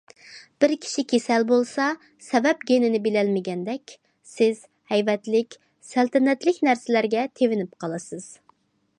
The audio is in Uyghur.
بىر كىشى كېسەل بولسا، سەۋەب گېنىنى بىلەلمىگەندەك، سىز ھەيۋەتلىك، سەلتەنەتلىك نەرسىلەرگە تېۋىنىپ قالىسىز.